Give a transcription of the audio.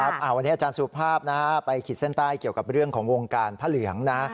วันนี้อาจารย์สุภาพไปขีดเส้นใต้เกี่ยวกับเรื่องของวงการพระเหลืองนะ